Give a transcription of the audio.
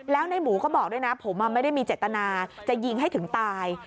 แล้วในหมูก็บอกด้วยนะผมไม่ได้มีเจตนาจะยิงให้ถึงตาย